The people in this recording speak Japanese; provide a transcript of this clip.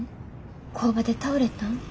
工場で倒れたん？